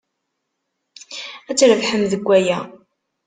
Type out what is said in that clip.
Ad trebḥem deg waya.